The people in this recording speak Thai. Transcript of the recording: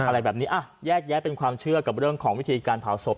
อะไรแบบนี้อ่ะแยกแยะเป็นความเชื่อกับเรื่องของวิธีการเผาศพ